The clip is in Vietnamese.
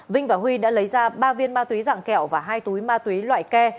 vinh và huy đã lấy ra ba viên ma túy dạng kẹo và hai túi ma túy loại ke